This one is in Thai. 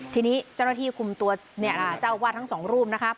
ทีนี้เจ้าหน้าที่คุมตัวเนี่ยอ่ะจะเอาว่าทั้งสองรูปนะคะ